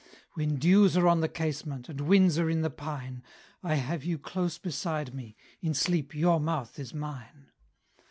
When dews are on the casement, And winds are in the pine, I have you close beside me In sleep your mouth is mine.